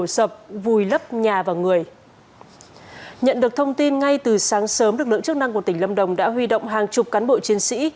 sáng sớm lực lượng chức năng của tỉnh lâm đồng đã huy động hàng chục cán bộ chiến sĩ